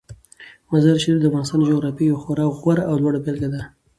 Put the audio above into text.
مزارشریف د افغانستان د جغرافیې یوه خورا غوره او لوړه بېلګه ده.